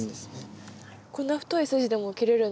こんな太い筋でも切れるんですね。